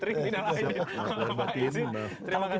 terima kasih banyak